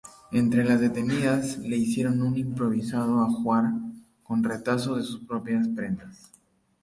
Entre las detenidas le hicieron un improvisado ajuar con retazos de sus propias prendas.